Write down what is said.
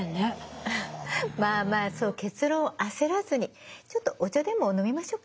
まあまあそう結論を焦らずにちょっとお茶でも飲みましょうか。